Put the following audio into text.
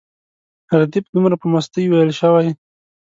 ردیف دومره په مستۍ ویل شوی.